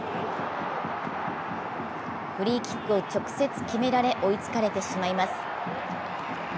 フリーキックを直接決められ追いつかれてしまいます。